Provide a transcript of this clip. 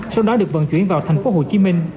sau đó được vận chuyển vào tp hcm